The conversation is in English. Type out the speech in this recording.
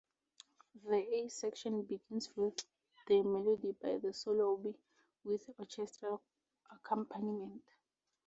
The A section begins with the melody by the solo oboe with orchestral accompaniment.